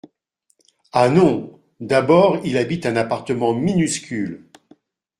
Ah non ! D’abord il habite un appartement minuscule